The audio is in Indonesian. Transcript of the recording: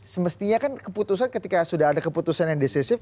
semestinya kan keputusan ketika sudah ada keputusan yang decisif